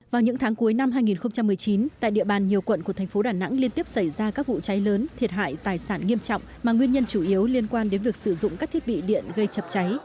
vào những tháng cuối năm hai nghìn một mươi chín tại địa bàn nhiều quận của thành phố đà nẵng liên tiếp xảy ra các vụ cháy lớn thiệt hại tài sản nghiêm trọng mà nguyên nhân chủ yếu liên quan đến việc sử dụng các thiết bị điện gây chập cháy